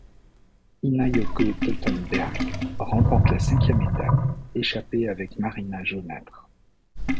Ina-Yoko Teutenberg remporte la cinquième étape échappée avec Marina Jaunatre.